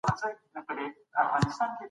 نوی نسل باید د جرګې له تاریخي اهمیت څخه خبر شي.